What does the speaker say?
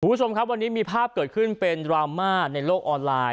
คุณผู้ชมครับวันนี้มีภาพเกิดขึ้นเป็นดราม่าในโลกออนไลน์